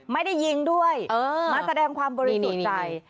ไม่ได้ยิงด้วยมาแสดงความบริสุทธิ์ใจ